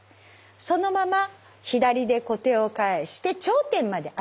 そのまま左で小手を返して頂点まで上げていきます。